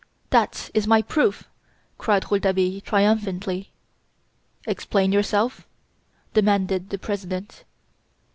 "That is my proof!" cried Rouletabille, triumphantly. "Explain yourself?" demanded the President.